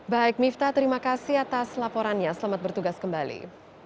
baik mifta terima kasih atas laporannya selamat bertugas kembali